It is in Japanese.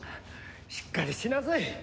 しっかりしなさい！